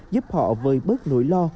giúp họ với bớt nỗi lo